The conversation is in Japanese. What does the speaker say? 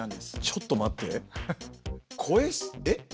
ちょっと待って。